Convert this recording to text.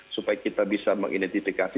supaya kita bisa mengidentifikasi